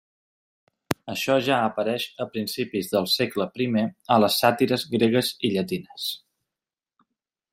Això ja apareix a principis del segle primer a les sàtires gregues i llatines.